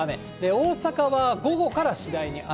大阪は午後から次第に雨。